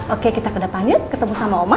oke kita ke depannya ketemu sama oma